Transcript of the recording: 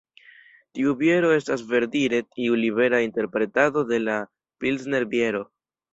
Tiu biero estas verdire iu libera interpretado de la Pilsner-biero.